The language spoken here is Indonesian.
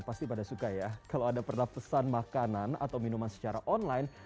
pasti pada suka ya kalau anda pernah pesan makanan atau minuman secara online